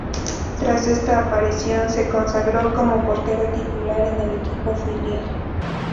Tras esta aparición, se consagró como portero titular en el equipo filial.